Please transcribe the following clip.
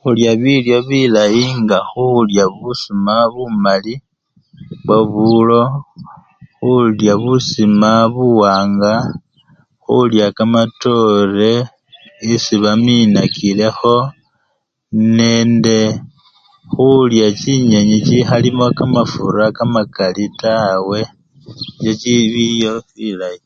Khulya bilyo bilayi nga khulya busuma bumali bwebulo, khulya busuma buwanga, khulya kamatore kyesi banyikile nende khulya chinyenyi chikhalimo kamafura kamakali tawe nicho bi! bilyo bilayi.